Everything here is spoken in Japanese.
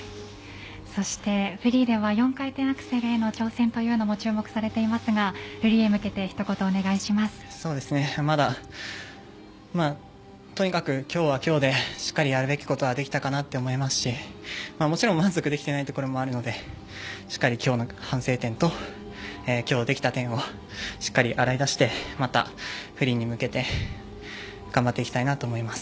そしてフリーでは４回転アクセルへの挑戦というのも注目されていますがフリーへ向けてとにかく今日は今日でしっかりやるべきことはできたかなと思いますしもちろん、満足できていないところもあるのでしっかり今日の反省点と今日できた点をしっかり洗い出してフリーに向けて頑張っていきたいなと思います。